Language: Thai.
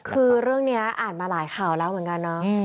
คือเรื่องนี้อ่านมาหลายข่าวแล้วเหมือนกันเนาะ